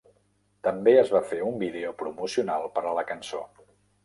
També es va fer un vídeo promocional per a la cançó.